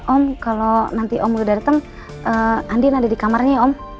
om kalau nanti om udah datang andin ada di kamarnya ya om